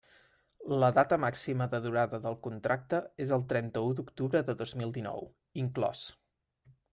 La data màxima de durada del contracte és el trenta-u d'octubre de dos mil dinou, inclòs.